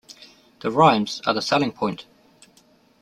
The rhymes are the selling point.